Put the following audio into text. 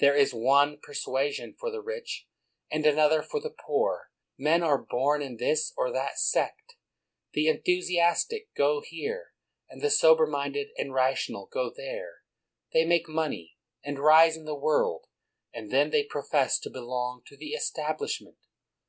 There is one persuasion for the rich, and another for the poor; men are born in this or that sect ; the enthusiastic go here, and the sober minded and rational go there. They make money, and rise in the world, and then they profess to belong to the Establishment.